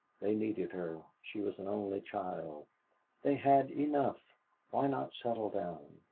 They needed her. She was an only child. They had "enough." Why not settle down?